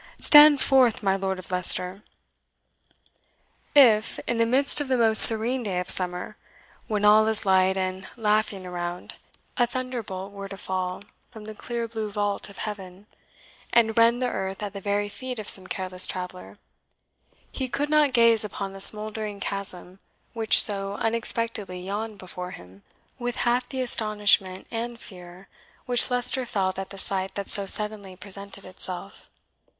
"Stand forth, my Lord of Leicester!" If, in the midst of the most serene day of summer, when all is light and laughing around, a thunderbolt were to fall from the clear blue vault of heaven, and rend the earth at the very feet of some careless traveller, he could not gaze upon the smouldering chasm, which so unexpectedly yawned before him, with half the astonishment and fear which Leicester felt at the sight that so suddenly presented itself.